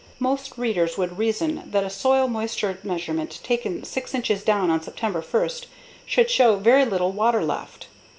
Most readers would reason that a soil moisture measurement taken 6 inches down on September 1, should show very little water left.